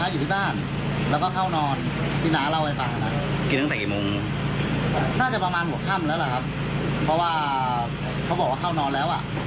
มีสองคนค่ะก็คือว่าคนตายนี่พอกินหมูกวะทาเสร็จก็เข้าไปนอนเลย